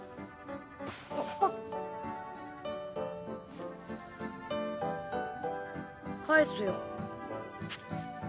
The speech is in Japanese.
あっ⁉返すよ。